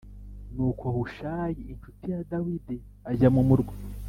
Nuko hushayi incuti ya dawidi ajya mu murwa